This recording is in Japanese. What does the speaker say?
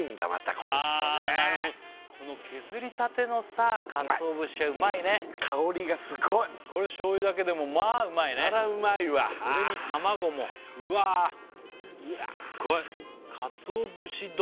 この人ねああなるほどこの削りたてのさ鰹節はうまいね香りがすごいこれ醤油だけでもまあうまいねこりゃうまいわそれに卵もうわあスッゴイ鰹節丼